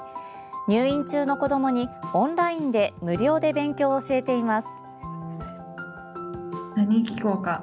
入院中の子どもにオンラインで無料で勉強を教えています。